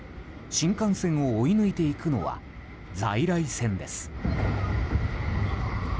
新幹線を追い抜いていくのは在来線です。